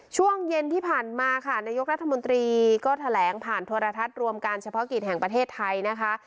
ช่วงเย็นที่ผ่านมาค่ะนายกรัฐมนตรีก็แถลงผ่านโทรทัศน์รวมการเฉพาะกิจแห่งประเทศไทยนะคะ